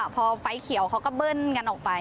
พอไฟเขียวเขาก็เบิ้ลกันออกไป